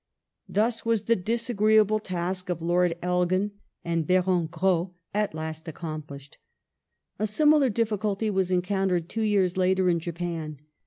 Thus was the disagreeable task of Lord Elgin and Baron Gros at last accom plished. Difficul A similar difficulty was encountered two years later in Japan.